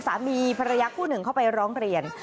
สามีพระยักษ์ผู้หนึ่งเข้าไปร้องเรียน